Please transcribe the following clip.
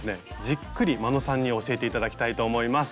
じっくり眞野さんに教えて頂きたいと思います。